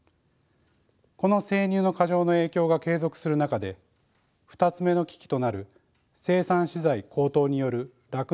この生乳の過剰の影響が継続する中で２つ目の危機となる生産資材高騰による酪農家の所得減少が起きます。